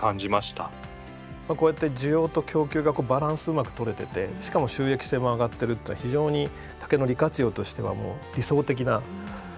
こうやって需要と供給がバランスうまくとれててしかも収益性も上がってるってのは非常に竹の利活用としては理想的な感じです。